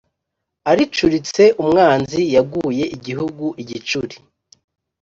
aricuritse umwanzi yaguye igihugu igicuri.